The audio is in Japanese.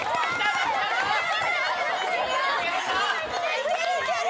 いけるいける！